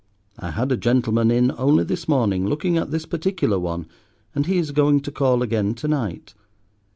I had a gentleman in only this morning, looking at this particular one, and he is going to call again to night.